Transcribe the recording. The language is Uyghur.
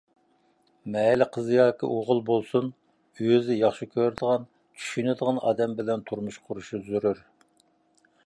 مەيلى قىز ياكى ئوغۇل بولسۇن، ئۆزى ياخشى كۆرىدىغان، چۈشىنىدىغان ئادەم بىلەن تۇرمۇش قۇرۇشى زۆرۈر.